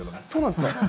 そうなんですか。